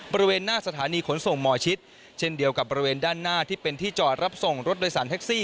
บริเวณหน้าสถานีขนส่งหมอชิดเช่นเดียวกับบริเวณด้านหน้าที่เป็นที่จอดรับส่งรถโดยสารแท็กซี่